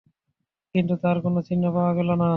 কিন্তু তার কোন চিহ্নও পাওয়া গেল না।